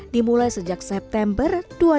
dimulai sejak september dua ribu lima belas